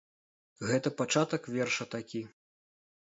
Гэта пачатак верша такі.